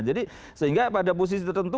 jadi sehingga pada posisi tertentu